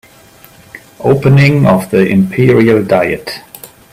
Opening of the Imperial diet